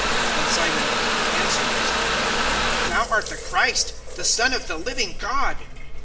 (16)And Simon Peter answering said: Thou art the Christ, the Son of the living God.